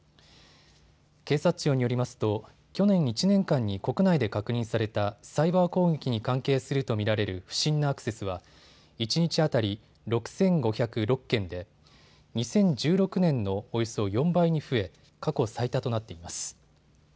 警察庁によりますと去年１年間に国内で確認されたサイバー攻撃に関係すると見られる不審なアクセスは一日当たり、６５０６件で２０１６年のおよそ４倍に増え、過去最多となっています。